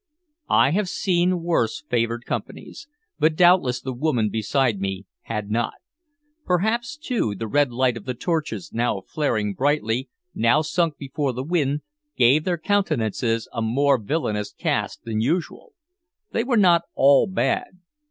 I have seen worse favored companies, but doubtless the woman beside me had not. Perhaps, too, the red light of the torches, now flaring brightly, now sunk before the wind, gave their countenances a more villainous cast than usual. They were not all bad.